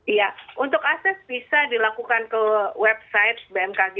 iya untuk akses bisa dilakukan ke website bmkg